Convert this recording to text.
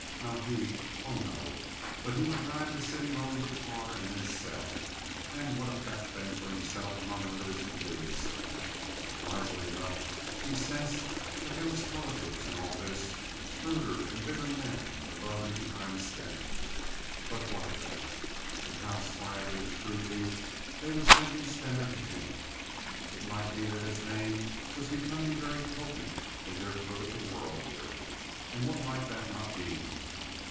Not he, oh, no. But he would drive the city loan to par and then sell. And what a fat thing for himself among others in so doing. Wisely enough he sensed that there was politics in all this—shrewder and bigger men above and behind Stener. But what of that? And how slyly and shrewdly they were sending Stener to him. It might be that his name was becoming very potent in their political world here. And what might that not mean!